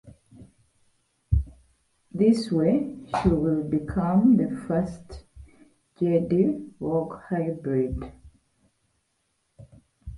This way, she will become the first Jedi-Vong hybrid.